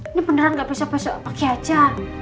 ini beneran gak bisa besok pagi aja